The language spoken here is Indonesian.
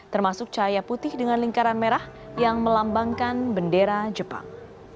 termasuk cahaya putih dengan lingkaran merah yang melambangkan bendera jepang